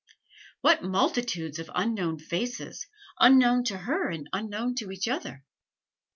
What multitudes of unknown faces, unknown to her and unknown to each other!